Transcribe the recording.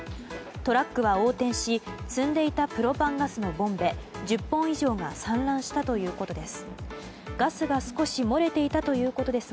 トラックは横転し積んでいたプロパンガスのボンベ１０本以上が散乱したということです。